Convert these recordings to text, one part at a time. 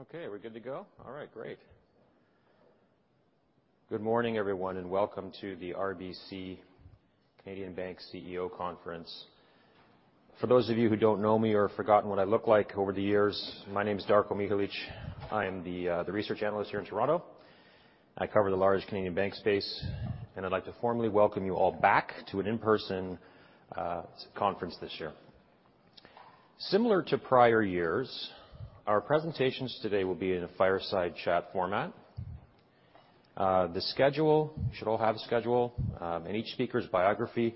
Okay, we're good to go. All right, great. Good morning, everyone, and welcome to the RBC Canadian Bank CEO Conference. For those of you who don't know me or have forgotten what I look like over the years, my name is Darko Mihelic. I am the research analyst here in Toronto. I cover the large Canadian bank space, and I'd like to formally welcome you all back to an in-person conference this year. Similar to prior years, our presentations today will be in a fireside chat format. You should all have a schedule. Each speaker's biography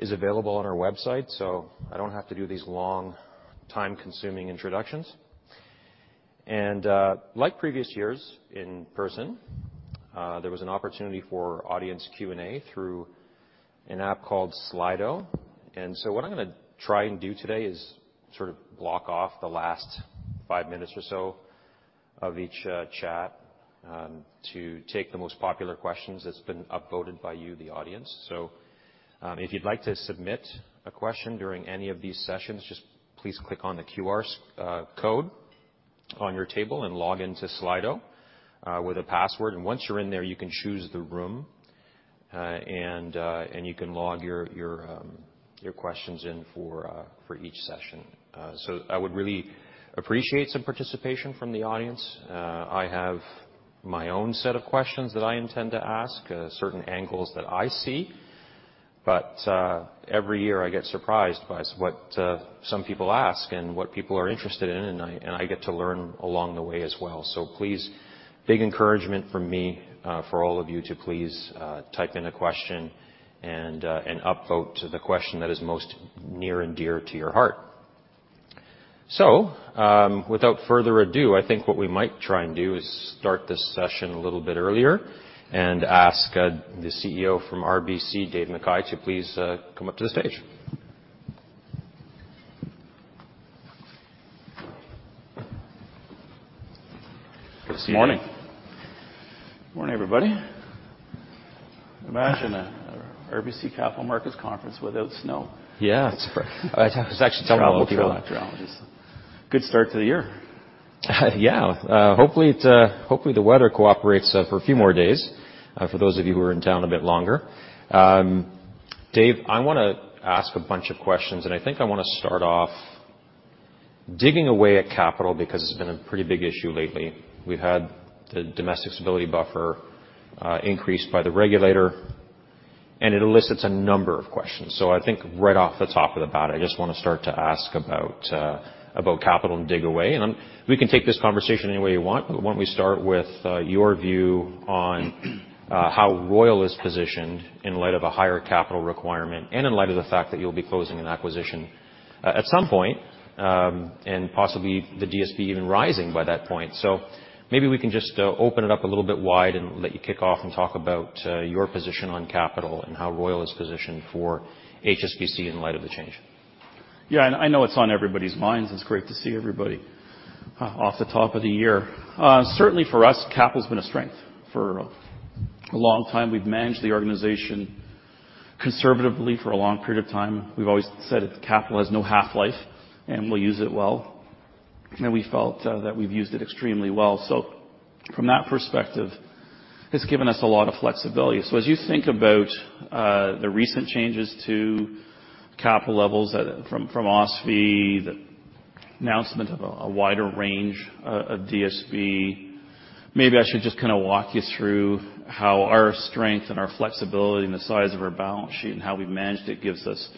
is available on our website, so I don't have to do these long, time-consuming introductions. Like previous years in person, there was an opportunity for audience Q&A through an app called Slido. What I'm gonna try and do today is sort of block off the last five minutes or so of each chat to take the most popular questions that's been upvoted by you, the audience. If you'd like to submit a question during any of these sessions, just please click on the QR code on your table and log in to Slido with a password. Once you're in there, you can choose the room and you can log your questions in for each session. I would really appreciate some participation from the audience. I have my own set of questions that I intend to ask, certain angles that I see. Every year, I get surprised by what some people ask and what people are interested in, and I, and I get to learn along the way as well. Please, big encouragement from me for all of you to please type in a question and up vote to the question that is most near and dear to your heart. Without further ado, I think what we might try and do is start this session a little bit earlier and ask the CEO from RBC, Dave McKay, to please come up to the stage. Good morning. Good morning, everybody. Imagine a RBC Capital Markets conference without snow. Yeah. It's. Travel after all. Good start to the year. Yeah. Hopefully it, hopefully the weather cooperates for a few more days, for those of you who are in town a bit longer. Dave, I wanna ask a bunch of questions, and I think I wanna start off digging away at capital because it's been a pretty big issue lately. We've had the Domestic Stability Buffer increased by the regulator, and it elicits a number of questions. I think right off the top of the bat, I just wanna start to ask about capital and dig away. We can take this conversation any way you want, but why don't we start with your view on how Royal is positioned in light of a higher capital requirement and in light of the fact that you'll be closing an acquisition at some point and possibly the DSB even rising by that point. Maybe we can just open it up a little bit wide and let you kick off and talk about your position on capital and how Royal is positioned for HSBC in light of the change. I know it's on everybody's minds. It's great to see everybody off the top of the year. Certainly for us, capital's been a strength for a long time. We've managed the organization conservatively for a long period of time. We've always said that capital has no half-life, and we'll use it well. You know, we felt that we've used it extremely well. From that perspective, it's given us a lot of flexibility. As you think about the recent changes to capital levels from OSFI, the announcement of a wider range of DSB, maybe I should just kinda walk you through how our strength and our flexibility and the size of our balance sheet and how we managed it gives us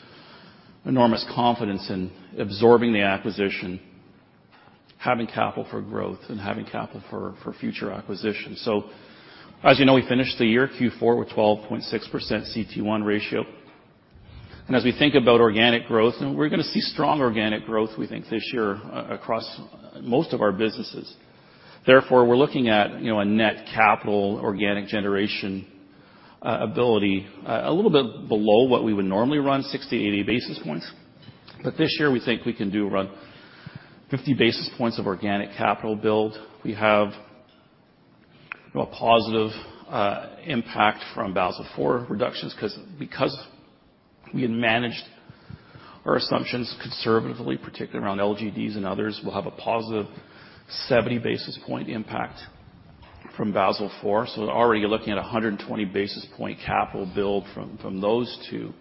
enormous confidence in absorbing the acquisition, having capital for growth and having capital for future acquisitions. As you know, we finished the year Q4 with 12.6% CET1 ratio. As we think about organic growth, and we're gonna see strong organic growth, we think, this year across most of our businesses. Therefore, we're looking at, you know, a net capital organic generation ability a little bit below what we would normally run, 60-80 basis points. This year, we think we can do around 50 basis points of organic capital build. We have, you know, a positive impact from Basel IV reductions because we had managed our assumptions conservatively, particularly around LGDs and others, we'll have a positive 70 basis point impact from Basel IV. Already you're looking at a 120 basis point capital build from those two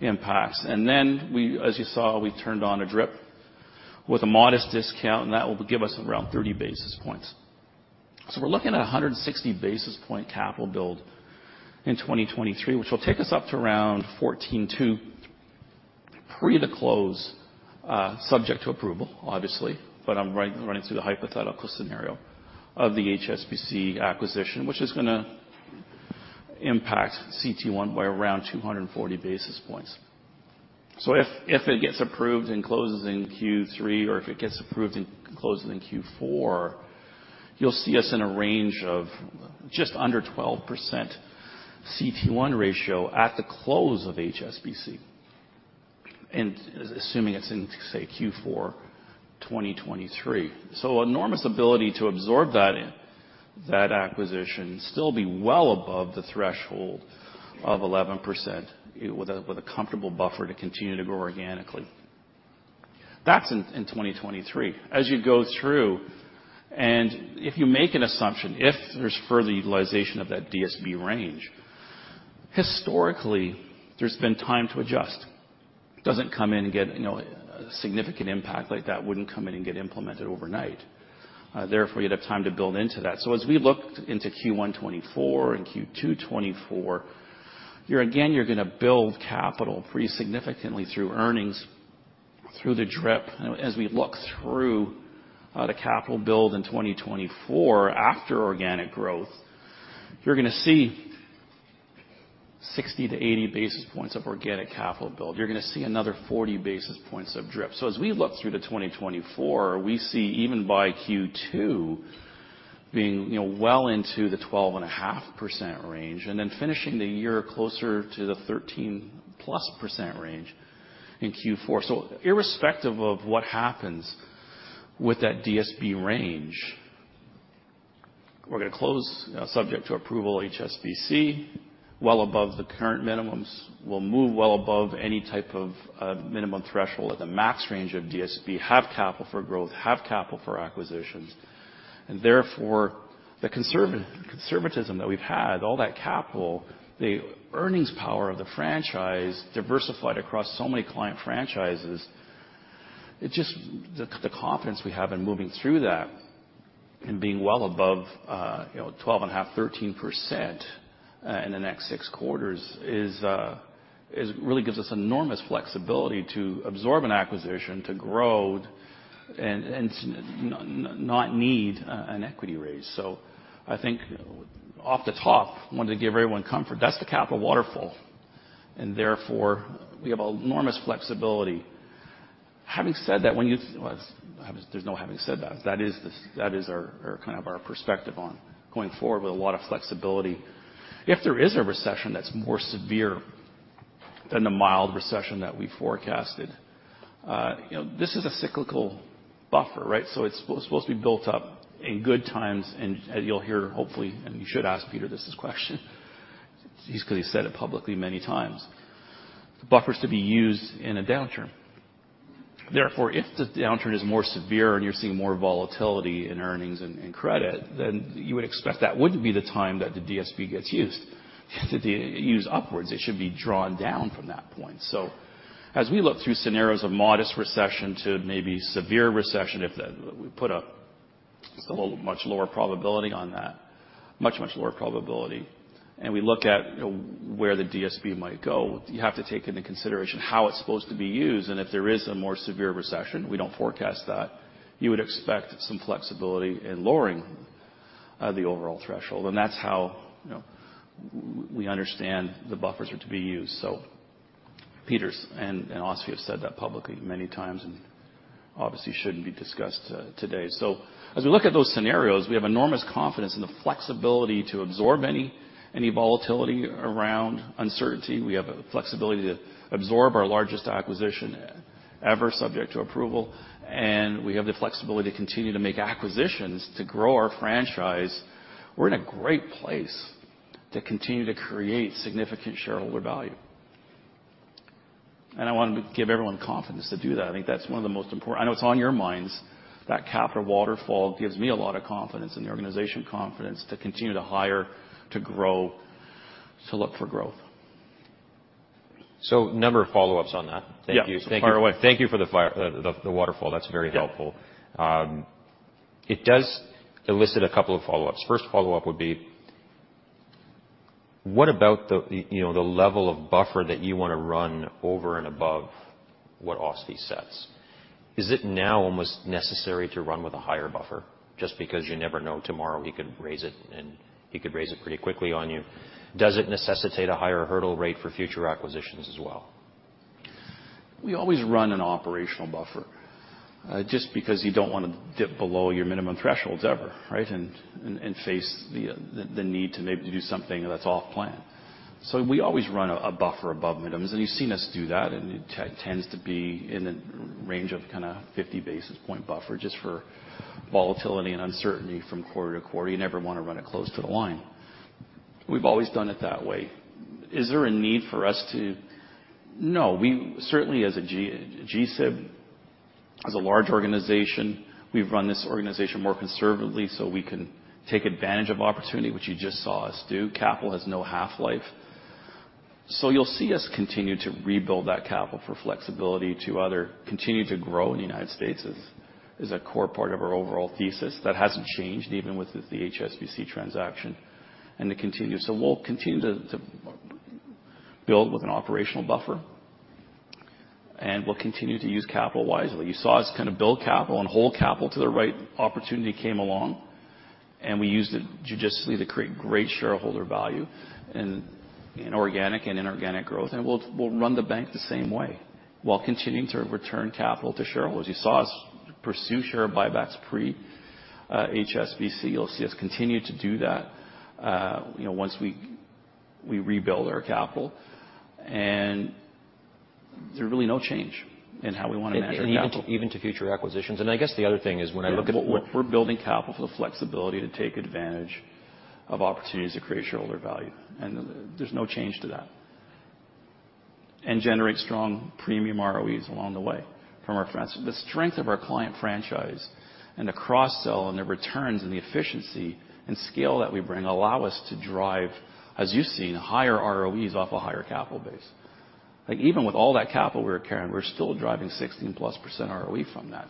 impacts. As you saw, we turned on a drip with a modest discount, and that will give us around 30 basis points. We're looking at a 160 basis point capital build in 2023, which will take us up to around 14.2% pre the close, subject to approval, obviously. I'm running through the hypothetical scenario of the HSBC acquisition, which is gonna impact CET1 by around 240 basis points. If it gets approved and closes in Q3, or if it gets approved and closes in Q4, you'll see us in a range of just under 12% CET1 ratio at the close of HSBC, assuming it's in, say, Q4 2023. Enormous ability to absorb that acquisition still be well above the threshold of 11% with a comfortable buffer to continue to grow organically. That's in 2023. As you go through, and if you make an assumption, if there's further utilization of that DSB range, historically, there's been time to adjust. Doesn't come in and get, you know, a significant impact like that wouldn't come in and get implemented overnight. Therefore, you'd have time to build into that. As we look into Q1 2024 and Q2 2024, you're again gonna build capital pretty significantly through earnings through the DRIP. As we look through the capital build in 2024 after organic growth, you're gonna see 60-80 basis points of organic capital build. You're gonna see another 40 basis points of DRIP. As we look through to 2024, we see even by Q2 being, you know, well into the 12.5% range, and then finishing the year closer to the 13%+ range in Q4. Irrespective of what happens with that DSB range, we're gonna close, subject to approval HSBC well above the current minimums. We'll move well above any type of minimum threshold at the max range of DSB, have capital for growth, have capital for acquisitions. Therefore, the conservatism that we've had, all that capital, the earnings power of the franchise diversified across so many client franchises. It's just the confidence we have in moving through that and being well above, you know, 12.5, 13% in the next six quarters is really gives us enormous flexibility to absorb an acquisition, to grow and not need an equity raise. I think off the top, wanted to give everyone comfort, that's the capital waterfall, and therefore we have enormous flexibility. Having said that, There's no having said that. That is our kind of our perspective on going forward with a lot of flexibility. If there is a recession that's more severe than the mild recession that we forecasted, you know, this is a cyclical buffer, right? It's supposed to be built up in good times, and you'll hear, hopefully, and you should ask Peter this his question. He's clearly said it publicly many times. The buffer is to be used in a downturn. If the downturn is more severe and you're seeing more volatility in earnings and credit, you would expect that wouldn't be the time that the DSB gets used. To be used upwards, it should be drawn down from that point. As we look through scenarios of modest recession to maybe severe recession, We put a much lower probability on that, much lower probability, we look at, you know, where the DSB might go. You have to take into consideration how it's supposed to be used. If there is a more severe recession, we don't forecast that, you would expect some flexibility in lowering the overall threshold. That's how, you know, we understand the buffers are to be used. Peter and OSFI have said that publicly many times and obviously shouldn't be discussed today. As we look at those scenarios, we have enormous confidence in the flexibility to absorb any volatility around uncertainty. We have the flexibility to absorb our largest acquisition ever subject to approval, and we have the flexibility to continue to make acquisitions to grow our franchise. We're in a great place to continue to create significant shareholder value. I want to give everyone confidence to do that. I think that's one of the most important... I know it's on your minds. That capital waterfall gives me a lot of confidence in the organization, confidence to continue to hire, to grow, to look for growth. Number of follow-ups on that. Yeah. Thank you. Fire away. Thank you for the waterfall. That's very helpful. Yeah. It does elicit 2 follow-ups. First follow-up would be, what about the, you know, the level of buffer that you wanna run over and above what OSFI sets? Is it now almost necessary to run with a higher buffer just because you never know tomorrow he could raise it, and he could raise it pretty quickly on you. Does it necessitate a higher hurdle rate for future acquisitions as well? We always run an operational buffer, just because you don't wanna dip below your minimum thresholds ever, right? And face the need to maybe do something that's off plan. So we always run a buffer above minimums, and you've seen us do that, and it tends to be in the range of kinda 50 basis point buffer just for volatility and uncertainty from quarter to quarter. You never wanna run it close to the line. We've always done it that way. Is there a need for us to? No. We certainly, as a G-SIB, as a large organization, we've run this organization more conservatively so we can take advantage of opportunity, which you just saw us do. Capital has no half-life. So you'll see us continue to rebuild that capital for flexibility to other... Continue to grow in the United States is a core part of our overall thesis. That hasn't changed even with the HSBC transaction, and it continues. We'll continue to build with an operational buffer, and we'll continue to use capital wisely. You saw us kinda build capital and hold capital till the right opportunity came along, and we used it judiciously to create great shareholder value in organic and inorganic growth. We'll run the bank the same way while continuing to return capital to shareholders. You saw us pursue share buybacks pre HSBC. You'll see us continue to do that, you know, once we rebuild our capital. There's really no change in how we wanna manage our capital. Even to future acquisitions. I guess the other thing is when I look at. We're building capital for the flexibility to take advantage of opportunities to create shareholder value, and there's no change to that. Generate strong premium ROEs along the way from The strength of our client franchise and the cross-sell and the returns and the efficiency and scale that we bring allow us to drive, as you've seen, higher ROEs off a higher capital base. Like, even with all that capital we're carrying, we're still driving 16% ROE from that.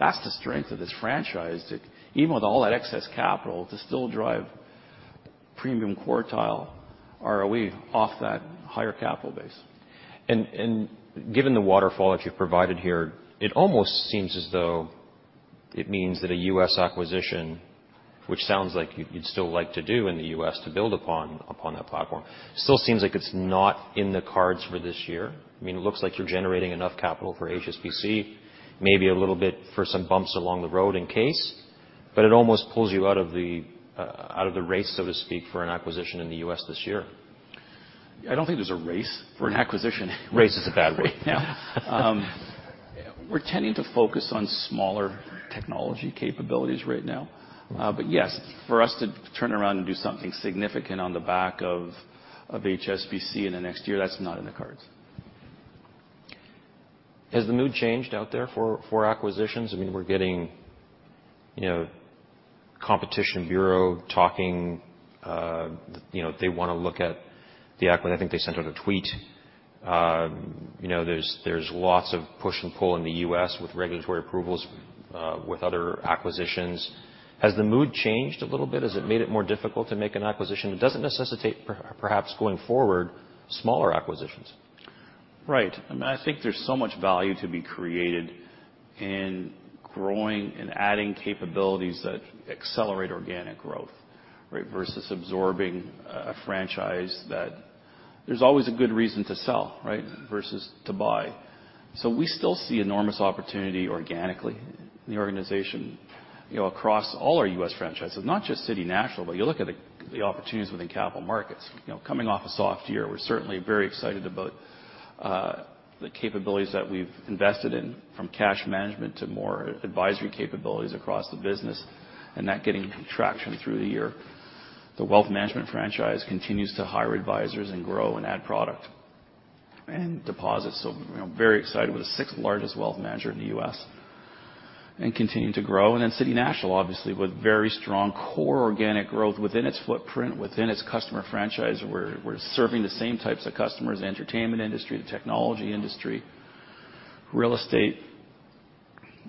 That's the strength of this franchise to even with all that excess capital to still drive premium quartile ROE off that higher capital base. Given the waterfall that you've provided here, it almost seems as though it means that a U.S. acquisition, which sounds like you'd still like to do in the U.S. to build upon that platform, still seems like it's not in the cards for this year. I mean, it looks like you're generating enough capital for HSBC, maybe a little bit for some bumps along the road in case, but it almost pulls you out of the race, so to speak, for an acquisition in the U.S. this year. I don't think there's a race for an acquisition. Race is a bad word. Yeah. We're tending to focus on smaller technology capabilities right now. Yes, for us to turn around and do something significant on the back of HSBC in the next year, that's not in the cards. Has the mood changed out there for acquisitions? I mean, we're getting, you know, Competition Bureau talking, you know, they wanna look at I think they sent out a tweet. You know, there's lots of push and pull in the U.S. with regulatory approvals, with other acquisitions. Has the mood changed a little bit? Has it made it more difficult to make an acquisition? It doesn't necessitate perhaps going forward smaller acquisitions. Right. I mean, I think there's so much value to be created in growing and adding capabilities that accelerate organic growth, right? Versus absorbing a franchise that there's always a good reason to sell, right, versus to buy. We still see enormous opportunity organically in the organization, you know, across all our U.S. franchises, not just City National, but you look at the opportunities within capital markets. You know, coming off a soft year, we're certainly very excited about the capabilities that we've invested in from cash management to more advisory capabilities across the business and that getting traction through the year. The wealth management franchise continues to hire advisors and grow and add product and deposits. You know, very excited. We're the sixth largest wealth manager in the U.S. and continuing to grow. City National, obviously, with very strong core organic growth within its footprint, within its customer franchise. We're serving the same types of customers, entertainment industry, the technology industry, real estate.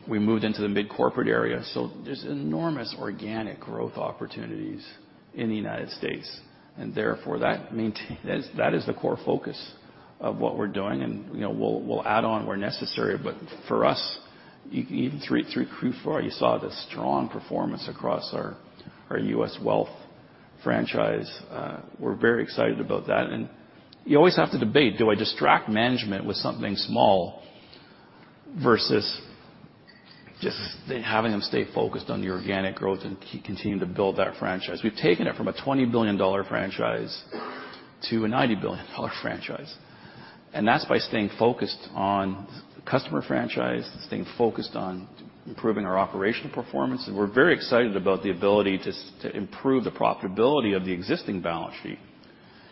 We moved into the mid-corporate area, there's enormous organic growth opportunities in the United States. That is the core focus of what we're doing, and, you know, we'll add on where necessary. For us, even through Q4, you saw the strong performance across our U.S. wealth franchise. We're very excited about that. You always have to debate, do I distract management with something small versus just having them stay focused on the organic growth and continue to build that franchise? We've taken it from a $20 billion franchise to a $90 billion franchise, and that's by staying focused on the customer franchise, staying focused on improving our operational performance. We're very excited about the ability to improve the profitability of the existing balance sheet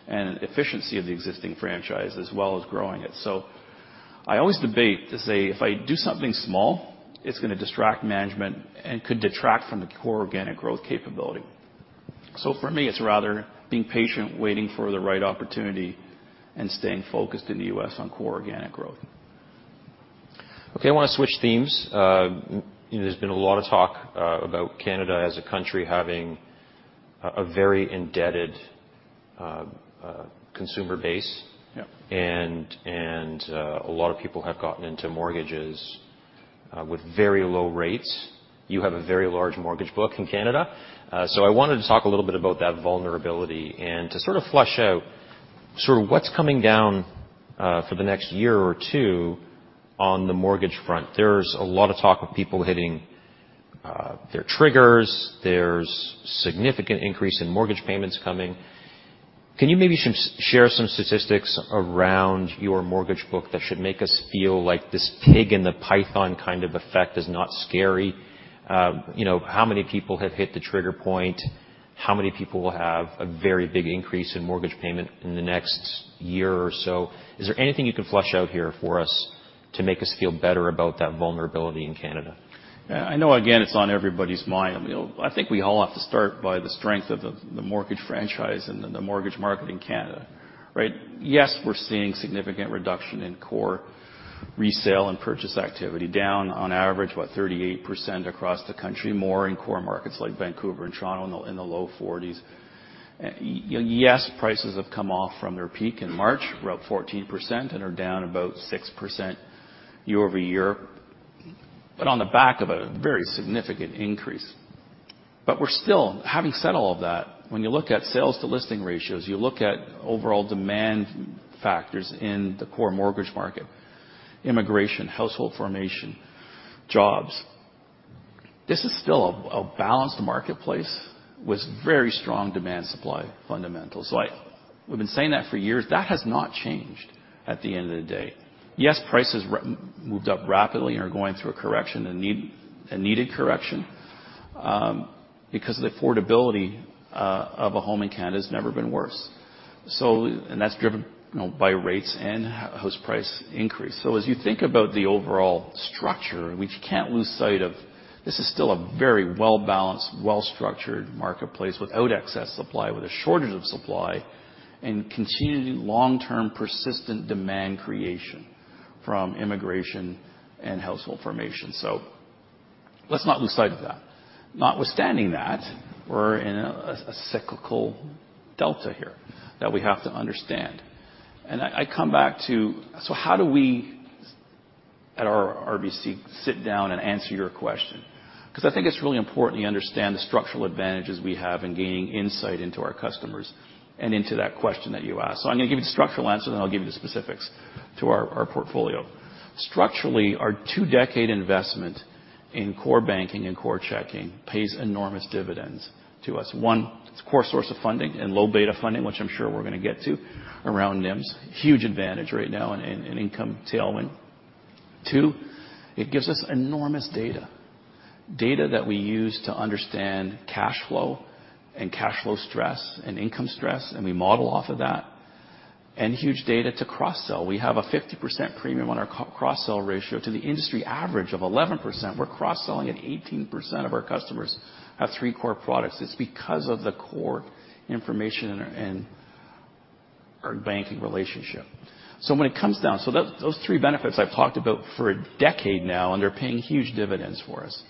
and efficiency of the existing franchise, as well as growing it. I always debate to say, if I do something small, it's gonna distract management and could detract from the core organic growth capability. For me, it's rather being patient, waiting for the right opportunity and staying focused in the U.S. on core organic growth. Okay, I wanna switch themes. You know, there's been a lot of talk about Canada as a country having a very indebted consumer base. Yeah. A lot of people have gotten into mortgages with very low rates. You have a very large mortgage book in Canada. I wanted to talk a little bit about that vulnerability and to sort of flush out sort of what's coming down for the next year or 2 on the mortgage front. There's a lot of talk of people hitting their triggers. There's significant increase in mortgage payments coming. Can you maybe share some statistics around your mortgage book that should make us feel like this pig in the python kind of effect is not scary? You know, how many people have hit the trigger point? How many people will have a very big increase in mortgage payment in the next year or so? Is there anything you can flush out here for us to make us feel better about that vulnerability in Canada? Yeah. I know, again, it's on everybody's mind. You know, I think we all have to start by the strength of the mortgage franchise and the mortgage market in Canada, right? Yes, we're seeing significant reduction in core resale and purchase activity, down on average, what, 38% across the country, more in core markets like Vancouver and Toronto in the low 40s. Yes, prices have come off from their peak in March, we're up 14% and are down about 6% year-over-year, but on the back of a very significant increase. We're still, having said all of that, when you look at sales to listing ratios, you look at overall demand factors in the core mortgage market, immigration, household formation, jobs. This is still a balanced marketplace with very strong demand supply fundamentals. We've been saying that for years. That has not changed at the end of the day. Yes, prices moved up rapidly and are going through a correction, a need, a needed correction, because the affordability of a home in Canada has never been worse. That's driven, you know, by rates and house price increase. As you think about the overall structure, which you can't lose sight of, this is still a very well-balanced, well-structured marketplace without excess supply, with a shortage of supply, and continuing long-term persistent demand creation from immigration and household formation. Let's not lose sight of that. Notwithstanding that, we're in a cyclical delta here that we have to understand. I come back to, so how do we at RBC sit down and answer your question? I think it's really important you understand the structural advantages we have in gaining insight into our customers and into that question that you asked. I'm gonna give you the structural answer, then I'll give you the specifics to our portfolio. Structurally, our two-decade investment in core banking and core checking pays enormous dividends to us. One, it's core source of funding and low beta funding, which I'm sure we're gonna get to around NIMs. Huge advantage right now in income tailwind. Two, it gives us enormous data. Data that we use to understand cash flow and cash flow stress and income stress, and we model off of that. Huge data to cross-sell. We have a 50% premium on our cross-sell ratio to the industry average of 11%. We're cross-selling at 18% of our customers have three core products. It's because of the core information and our, and our banking relationship. When it comes down, those three benefits I've talked about for a decade now, and they're paying huge dividends for us.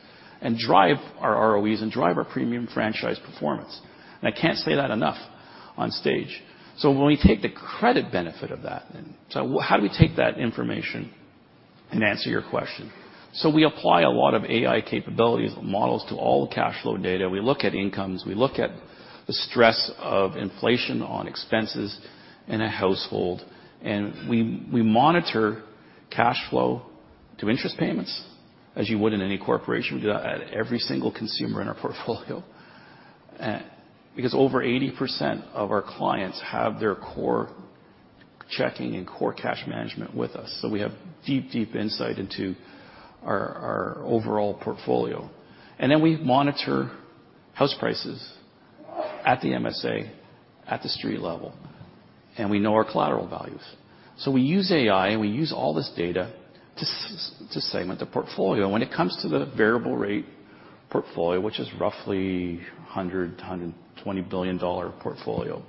Drive our ROEs and drive our premium franchise performance. I can't say that enough on stage. When we take the credit benefit of that, then, how do we take that information and answer your question? We apply a lot of AI capabilities and models to all the cash flow data. We look at incomes, we look at the stress of inflation on expenses in a household, and we monitor cash flow to interest payments, as you would in any corporation. We do that at every single consumer in our portfolio. Because over 80% of our clients have their core checking and core cash management with us. We have deep insight into our overall portfolio. We monitor house prices at the MSA, at the street level, and we know our collateral values. We use AI, and we use all this data to segment the portfolio. When it comes to the variable rate portfolio, which is roughly 100 billion-120 billion dollar portfolio,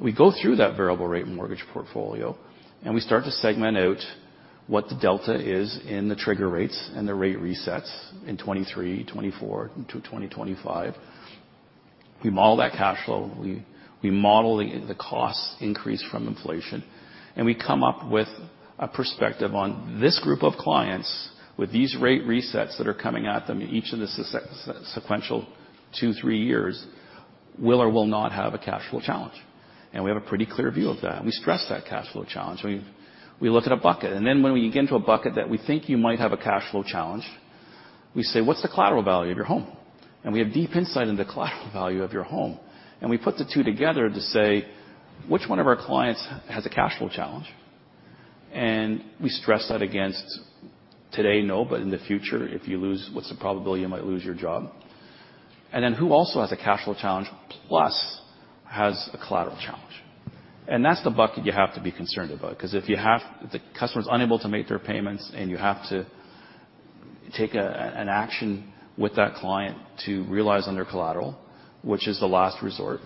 we go through that variable rate mortgage portfolio, and we start to segment out what the delta is in the trigger rates and the rate resets in 2023, 2024 to 2025. We model that cash flow. We model the cost increase from inflation, and we come up with a perspective on this group of clients with these rate resets that are coming at them in each of the sequential two, three years, will or will not have a cash flow challenge. We have a pretty clear view of that, and we stress that cash flow challenge. We look at a bucket, then when we get into a bucket that we think you might have a cash flow challenge, we say, "What's the collateral value of your home?" We have deep insight into collateral value of your home. We put the two together to say, which one of our clients has a cash flow challenge? We stress that against today, no, but in the future, if you lose, what's the probability you might lose your job? Then who also has a cash flow challenge plus has a collateral challenge. That's the bucket you have to be concerned about. 'Cause if you have... The customer's unable to make their payments and you have to take an action with that client to realize on their collateral, which is the last resort,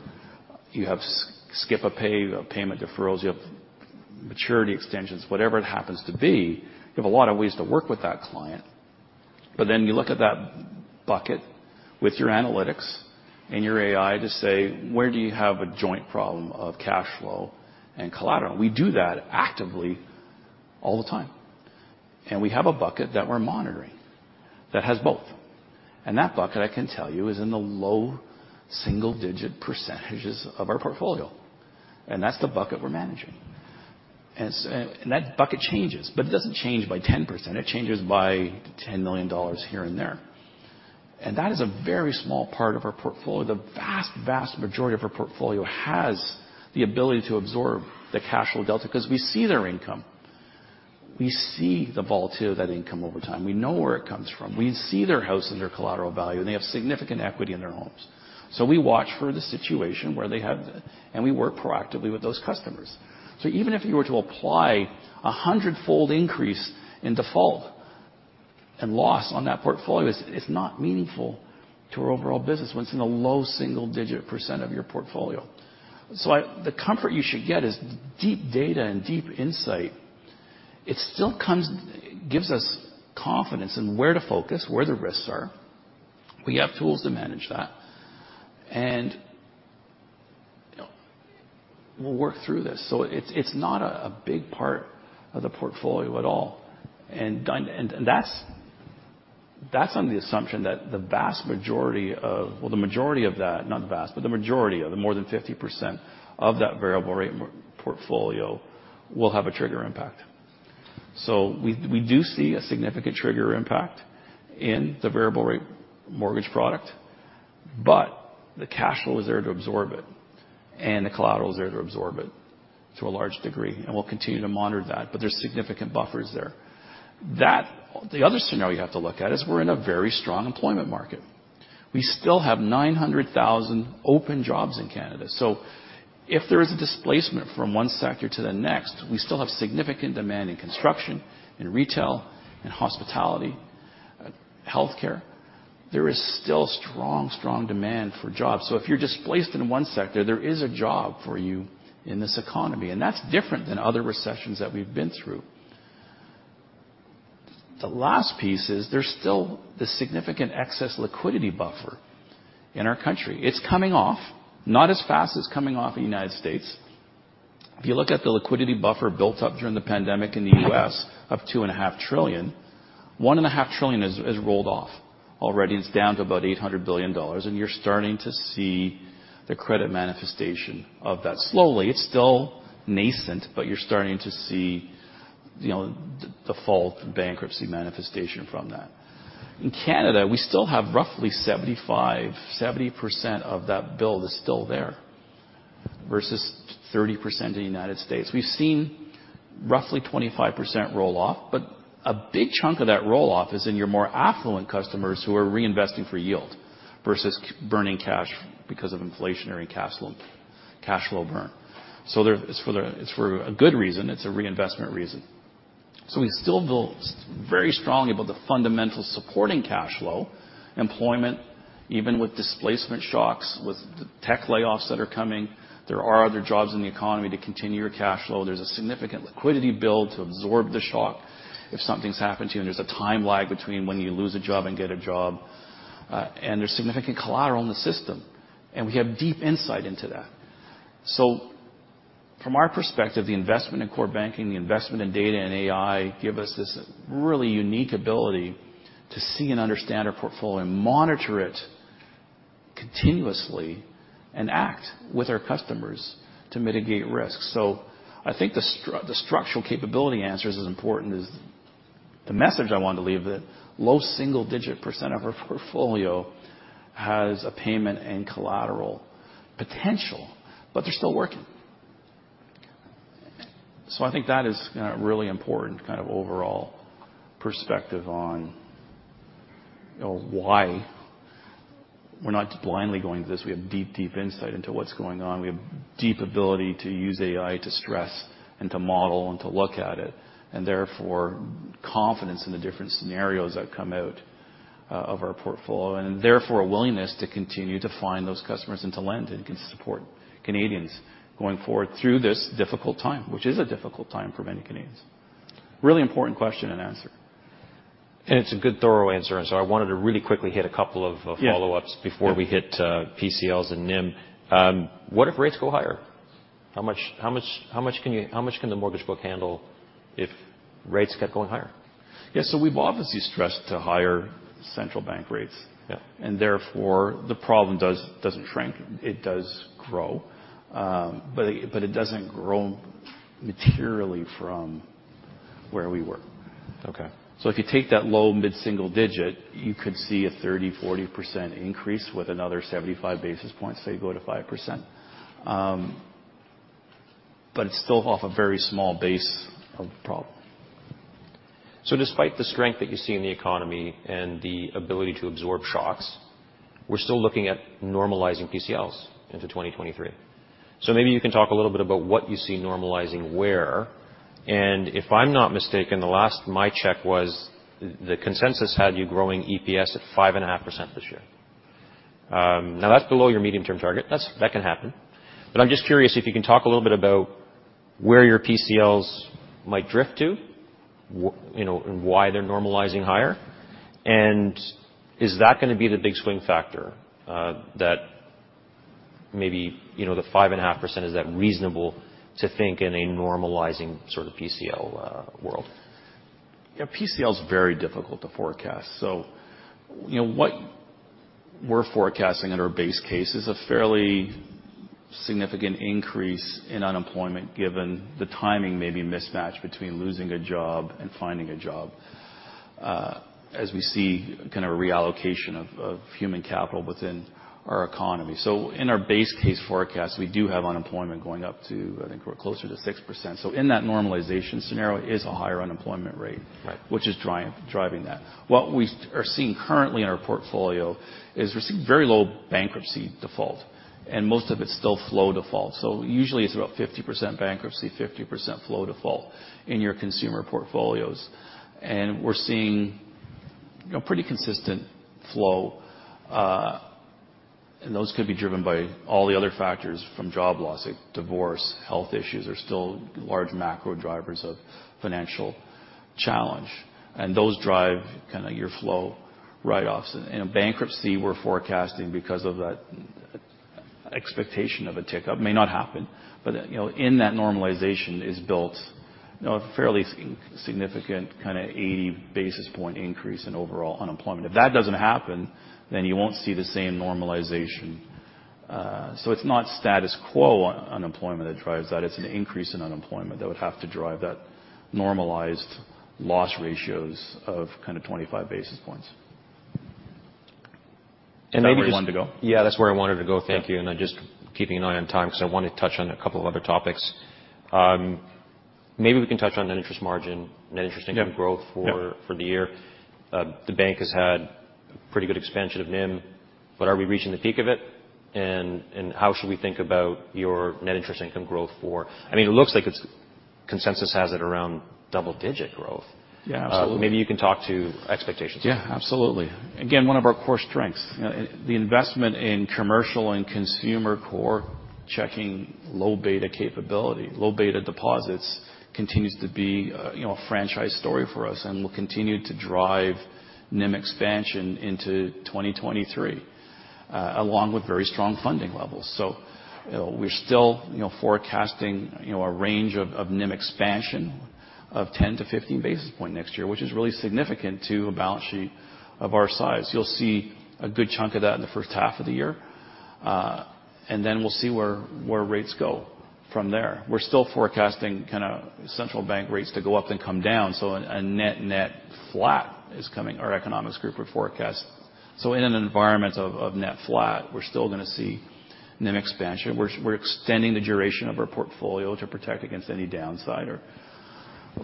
you have skip a pay, you have payment deferrals, you have maturity extensions, whatever it happens to be, you have a lot of ways to work with that client. You look at that bucket with your analytics and your AI to say, "Where do you have a joint problem of cash flow and collateral?" We do that actively all the time. We have a bucket that we're monitoring that has both. That bucket, I can tell you, is in the low single-digit percentages of our portfolio. That's the bucket we're managing. That bucket changes, but it doesn't change by 10%. It changes by 10 million dollars here and there. That is a very small part of our portfolio. The vast majority of our portfolio has the ability to absorb the cash flow delta because we see their income. We see the volatility of that income over time. We know where it comes from. We see their house and their collateral value, and they have significant equity in their homes. We watch for the situation where they have, and we work proactively with those customers. Even if you were to apply a 100-fold increase in default and loss on that portfolio, it's not meaningful to our overall business when it's in a low single-digit % of your portfolio. The comfort you should get is deep data and deep insight. It still gives us confidence in where to focus, where the risks are. We have tools to manage that. You know, we'll work through this. It's not a big part of the portfolio at all. That's on the assumption that the vast majority of... Well, the majority of that, not the vast, but the majority of the more than 50% of that variable rate portfolio will have a trigger impact. We do see a significant trigger impact in the variable rate mortgage product, but the cash flow is there to absorb it and the collateral is there to absorb it to a large degree, and we'll continue to monitor that. There's significant buffers there. The other scenario you have to look at is we're in a very strong employment market. We still have 900,000 open jobs in Canada. If there is a displacement from one sector to the next, we still have significant demand in construction, in retail, in hospitality, healthcare. There is still strong demand for jobs. If you're displaced in one sector, there is a job for you in this economy, and that's different than other recessions that we've been through. The last piece is there's still the significant excess liquidity buffer in our country. It's coming off not as fast as coming off in the United States. If you look at the liquidity buffer built up during the pandemic in the U.S. of $2.5 trillion, $1.5 trillion is rolled off already. It's down to about $800 billion, and you're starting to see the credit manifestation of that. Slowly. It's still nascent, but you're starting to see, you know, the default and bankruptcy manifestation from that. In Canada, we still have roughly 70% of that build is still there versus 30% in the United States. We've seen roughly 25% roll off. A big chunk of that roll-off is in your more affluent customers who are reinvesting for yield versus burning cash because of inflationary cash flow, cash flow burn. It's for a good reason, it's a reinvestment reason. We still feel very strongly about the fundamental supporting cash flow, employment, even with displacement shocks, with the tech layoffs that are coming, there are other jobs in the economy to continue your cash flow. There's a significant liquidity build to absorb the shock if something's happened to you, and there's a time lag between when you lose a job and get a job. There's significant collateral in the system, and we have deep insight into that. From our perspective, the investment in core banking, the investment in data and AI give us this really unique ability to see and understand our portfolio and monitor it continuously and act with our customers to mitigate risk. I think the structural capability answer is as important as the message I want to leave that low single-digit % of our portfolio has a payment and collateral potential, but they're still working. I think that is really important kind of overall perspective on, you know, why we're not blindly going into this. We have deep, deep insight into what's going on. We have deep ability to use AI to stress and to model and to look at it, and therefore, confidence in the different scenarios that come out of our portfolio, and therefore a willingness to continue to find those customers and to lend and can support Canadians going forward through this difficult time, which is a difficult time for many Canadians. Really important question and answer. It's a good, thorough answer. I wanted to really quickly hit a couple of. Yeah. follow-ups before we hit PCLs and NIM. What if rates go higher? How much can the mortgage book handle if rates kept going higher? Yeah. We've obviously stressed to higher central bank rates. Yeah. Therefore, the problem doesn't shrink. It does grow. But it doesn't grow materially from where we were. Okay. If you take that low mid-single digit, you could see a 30%-40% increase with another 75 basis points, say you go to 5%. But it's still off a very small base of problem. Despite the strength that you see in the economy and the ability to absorb shocks, we're still looking at normalizing PCLs into 2023. Maybe you can talk a little bit about what you see normalizing where. If I'm not mistaken, my check was the consensus had you growing EPS at 5.5% this year. Now that's below your medium-term target. That can happen. I'm just curious if you can talk a little bit about where your PCLs might drift to, you know, and why they're normalizing higher. Is that gonna be the big swing factor, that maybe, you know, the 5.5%, is that reasonable to think in a normalizing sort of PCL world? PCL is very difficult to forecast. You know what we're forecasting at our base case is a fairly significant increase in unemployment given the timing may be a mismatch between losing a job and finding a job, as we see kind of a reallocation of human capital within our economy. In our base case forecast, we do have unemployment going up to, I think we're closer to 6%. In that normalization scenario is a higher unemployment rate. Right. -which is driving that. What we are seeing currently in our portfolio is we're seeing very low bankruptcy default, and most of it's still flow default. Usually it's about 50% bankruptcy, 50% flow default in your consumer portfolios. We're seeing, you know, pretty consistent flow. Those could be driven by all the other factors from job loss like divorce, health issues are still large macro drivers of financial challenge, and those drive kinda your flow write-offs. In a bankruptcy, we're forecasting because of that expectation of a tick-up. May not happen, but, you know, in that normalization is built, you know, a fairly significant kinda 80 basis point increase in overall unemployment. If that doesn't happen, then you won't see the same normalization. It's not status quo unemployment that drives that, it's an increase in unemployment that would have to drive that normalized loss ratios of kind of 25 basis points. maybe- Is that where you wanted to go? Yeah, that's where I wanted to go. Yeah. Thank you. I'm just keeping an eye on time because I want to touch on a couple of other topics. Maybe we can touch on net interest margin, net interest income growth. Yeah, yeah. for the year. The bank has had pretty good expansion of NIM, but are we reaching the peak of it? How should we think about your net interest income growth? I mean, it looks like consensus has it around double-digit growth. Yeah, absolutely. Maybe you can talk to expectations. Yeah, absolutely. Again, one of our core strengths. You know, the investment in commercial and consumer core checking low beta capability, low beta deposits continues to be, you know, a franchise story for us and will continue to drive NIM expansion into 2023 along with very strong funding levels. You know, we're still, you know, forecasting, you know, a range of NIM expansion of 10-15 basis point next year, which is really significant to a balance sheet of our size. You'll see a good chunk of that in the first half of the year, and then we'll see where rates go from there. We're still forecasting kind of central bank rates to go up then come down. A net flat is coming. Our economics group would forecast. In an environment of net flat, we're still gonna see NIM expansion. We're extending the duration of our portfolio to protect against any downside or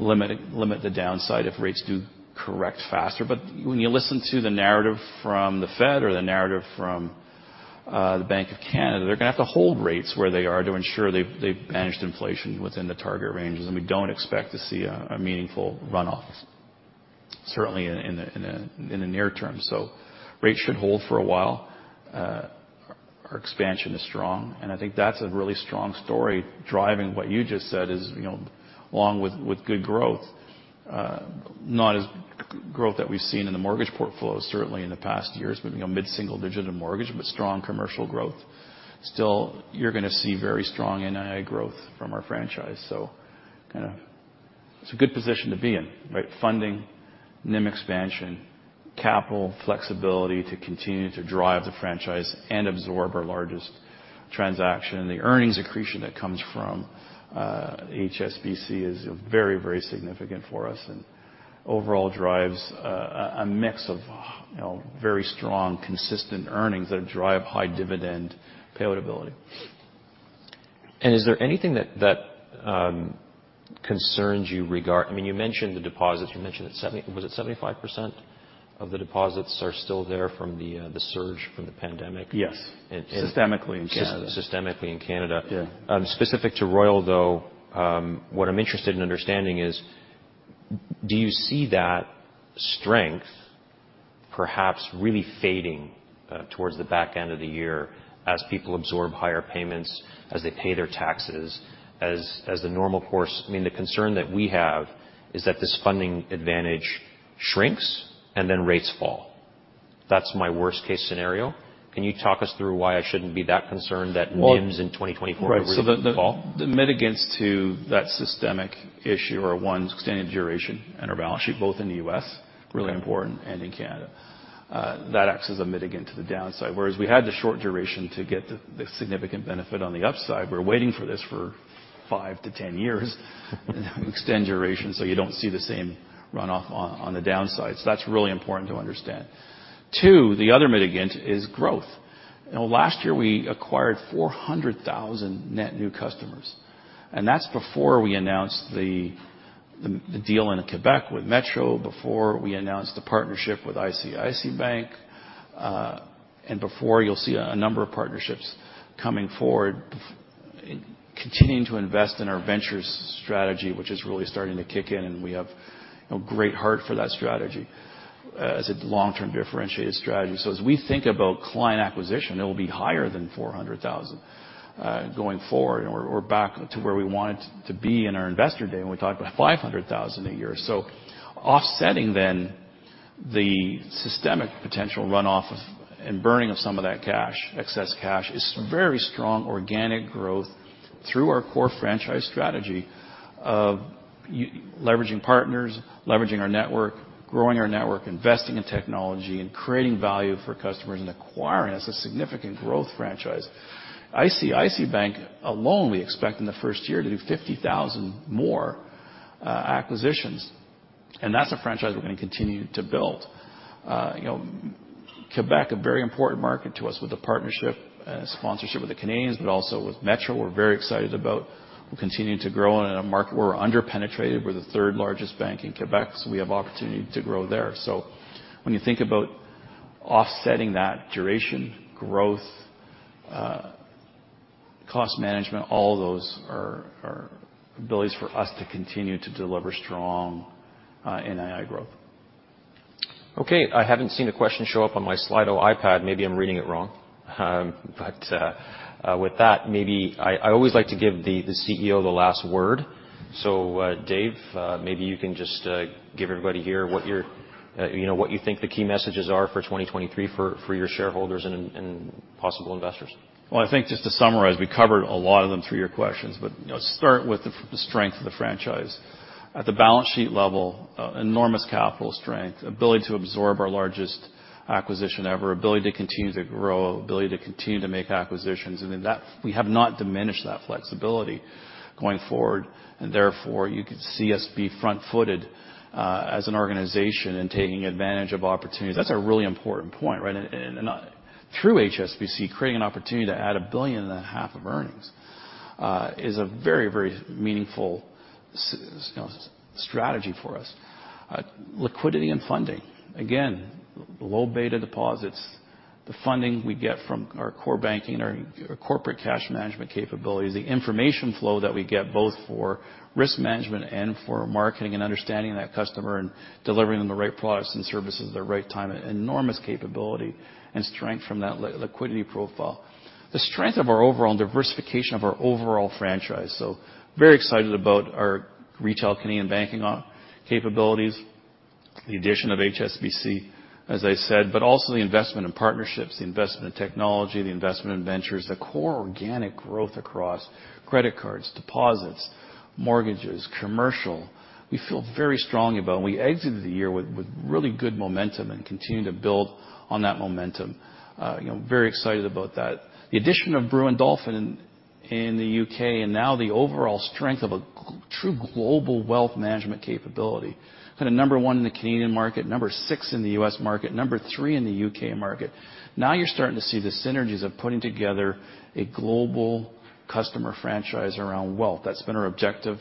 limit the downside if rates do correct faster. When you listen to the narrative from the Fed or the narrative from the Bank of Canada, they're gonna have to hold rates where they are to ensure they've managed inflation within the target ranges. We don't expect to see a meaningful runoff, certainly in the near term. Rates should hold for a while. Our expansion is strong, and I think that's a really strong story driving what you just said is, you know, along with good growth, not as growth that we've seen in the mortgage portfolio, certainly in the past years. Maybe a mid-single digit in mortgage, but strong commercial growth. Still, you're gonna see very strong NII growth from our franchise. Kind of it's a good position to be in, right? Funding, NIM expansion, capital flexibility to continue to drive the franchise and absorb our largest transaction. The earnings accretion that comes from HSBC is very, very significant for us, and overall drives a mix of, you know, very strong, consistent earnings that drive high dividend payout ability. Is there anything that concerns you I mean, you mentioned the deposits. You mentioned that was it 75% of the deposits are still there from the surge from the pandemic? Yes. And, and- Systemically in Canada. Systemically in Canada. Yeah. Specific to Royal though, what I'm interested in understanding is do you see that strength perhaps really fading towards the back end of the year as people absorb higher payments, as they pay their taxes, as the normal course? I mean, the concern that we have is that this funding advantage shrinks and then rates fall. That's my worst case scenario. Can you talk us through why I shouldn't be that concerned that NIMs in 2024 could really start to fall? Right. The mitigants to that systemic issue are one, extended duration and our balance sheet, both in the U.S.... Okay... really important and in Canada. That acts as a mitigant to the downside, whereas we had the short duration to get the significant benefit on the upside. We're waiting for this for 5-10 years. Extend duration, you don't see the same runoff on the downside. That's really important to understand. Two, the other mitigant is growth. You know, last year we acquired 400,000 net new customers. That's before we announced the deal in Quebec with Metro, before we announced the partnership with ICICI Bank, before you'll see a number of partnerships coming forward, continuing to invest in our Ventures strategy, which is really starting to kick in, and we have, you know, great heart for that strategy as a long-term differentiated strategy. As we think about client acquisition, it will be higher than 400,000 going forward or back to where we want it to be in our investor day when we talked about 500,000 a year. Offsetting then the systemic potential runoff of and burning of some of that cash, excess cash, is very strong organic growth through our core franchise strategy of leveraging partners, leveraging our network, growing our network, investing in technology, and creating value for customers and acquiring as a significant growth franchise. ICICI Bank alone, we expect in the first year to do 50,000 more acquisitions. That's a franchise we're gonna continue to build. You know, Quebec, a very important market to us with the partnership, sponsorship with the Canadians, but also with Metro, we're very excited about continuing to grow in a market we're under-penetrated. We're the third largest bank in Quebec, so we have opportunity to grow there. When you think about offsetting that duration, growth, cost management, all those are abilities for us to continue to deliver strong NII growth. Okay. I haven't seen a question show up on my Slido iPad. Maybe I'm reading it wrong. With that, maybe I always like to give the CEO the last word. Dave, maybe you can just give everybody here what you're, you know, what you think the key messages are for 2023 for your shareholders and possible investors. Well, I think just to summarize, we covered a lot of them through your questions. You know, start with the strength of the franchise. At the balance sheet level, enormous capital strength, ability to absorb our largest acquisition ever, ability to continue to grow, ability to continue to make acquisitions. I mean, we have not diminished that flexibility going forward, and therefore you could see us be front-footed, as an organization in taking advantage of opportunities. That's a really important point, right? And through HSBC, creating an opportunity to add a billion and a half of earnings, is a very, very meaningful strategy for us. Liquidity and funding. Again, low beta deposits. The funding we get from our core banking, our corporate cash management capabilities, the information flow that we get both for risk management and for marketing and understanding that customer and delivering them the right products and services at the right time, an enormous capability and strength from that liquidity profile. The strength of our overall and diversification of our overall franchise. Very excited about our retail Canadian banking capabilities, the addition of HSBC, as I said, but also the investment in partnerships, the investment in technology, the investment in ventures, the core organic growth across credit cards, deposits, mortgages, commercial, we feel very strongly about, and we exited the year with really good momentum and continue to build on that momentum. You know, very excited about that. The addition of Brewin Dolphin in the U.K., and now the overall strength of a true global wealth management capability. Kinda number one in the Canadian market, number six in the U.S. market, number three in the U.K. market. Now you're starting to see the synergies of putting together a global customer franchise around wealth. That's been our objective.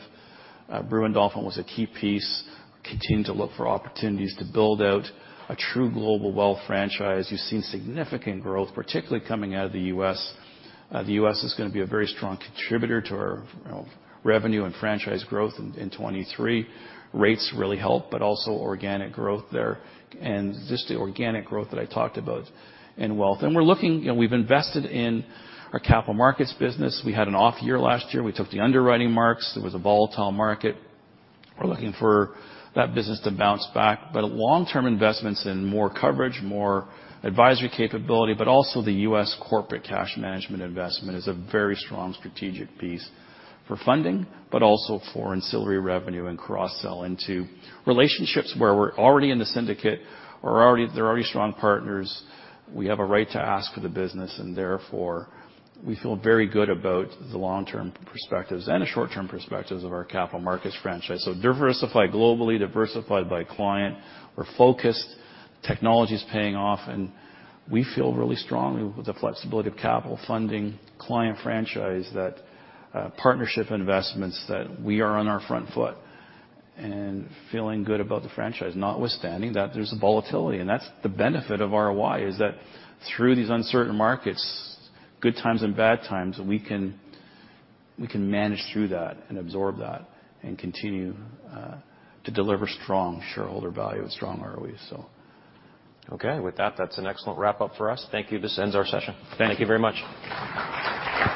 Brewin Dolphin was a key piece. Continue to look for opportunities to build out a true global wealth franchise. You've seen significant growth, particularly coming out of the U.S. The U.S. is gonna be a very strong contributor to our, you know, revenue and franchise growth in 2023. Rates really help, but also organic growth there and just the organic growth that I talked about in wealth. We're looking. You know, we've invested in our capital markets business. We had an off year last year. We took the underwriting marks. It was a volatile market. We're looking for that business to bounce back. Long-term investments and more coverage, more advisory capability, but also the U.S. corporate cash management investment is a very strong strategic piece for funding, but also for ancillary revenue and cross-sell into relationships where we're already in the syndicate or they're already strong partners. We have a right to ask for the business, therefore we feel very good about the long-term perspectives and the short-term perspectives of our capital markets franchise. Diversified globally, diversified by client. We're focused. Technology's paying off, we feel really strongly with the flexibility of capital funding client franchise that partnership investments, that we are on our front foot and feeling good about the franchise, notwithstanding that there's a volatility. That's the benefit of ROI, is that through these uncertain markets, good times and bad times, we can manage through that and absorb that and continue to deliver strong shareholder value and strong ROE. With that's an excellent wrap-up for us. Thank you. This ends our session. Thank you. Thank you very much.